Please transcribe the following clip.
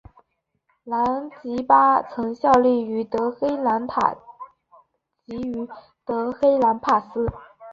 兰吉巴曾效力于德黑兰塔吉于德黑兰帕斯。